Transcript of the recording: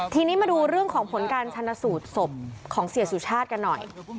ทีนี้มาดูเรื่องของผลการชนะสูตรศพของเสียสุชาติกันหน่อย